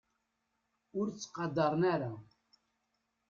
Ur ttqadaren ara.